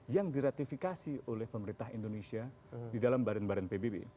yang diratifikasi oleh pemerintah indonesia di dalam badan badan pbb